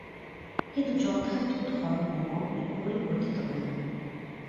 কিন্তু যথার্থ ধর্ম কখনই পরিবর্তিত হয় না।